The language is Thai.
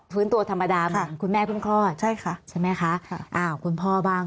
ฟื้นตัวธรรมดาคุณแม่คุณพ่อใช่ค่ะใช่ไหมคะอ่าคุณพ่อบ้าง